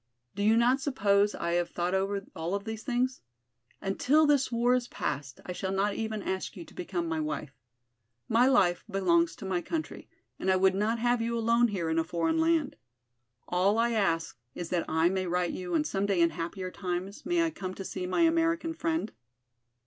"Do you not suppose I have thought over all those things? Until this war is past I shall not even ask you to become my wife. My life belongs to my country and I would not have you alone here in a foreign land. All I ask is that I may write you and some day in happier times may I come to see my American friend?"